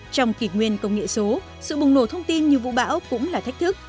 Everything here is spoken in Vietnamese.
trong kỷ nguyên công nghệ số sự bùng nổ thông tin như vũ bão cũng là thách thức